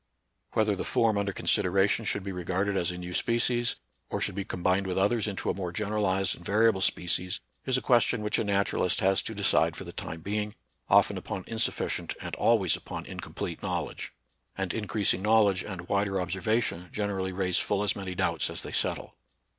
Whether the form under consideration should be regarded as a new species, or should be combined with others into a more general ized and variable species, is a question which a naturalist has to decide for the time being, often upon insufficient and always upon incom plete knowledge ; and increasing knowledge and wider observation generally raise full as many doubts as they settle.